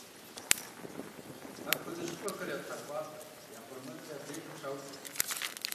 Апхуэдэ щӀыпӀэхэр я тхьэрыӀуапӀэт, я къурмэнри абдежым щаукӀырт.